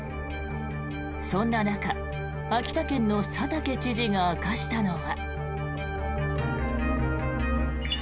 そんな中、秋田県の佐竹知事が明かしたのは。